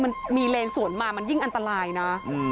มันมีเลนสวนมามันยิ่งอันตรายนะ